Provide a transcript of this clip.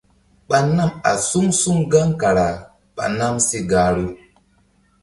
Mba nam a suŋ suŋ gaŋ kara ɓa nam sí gahru.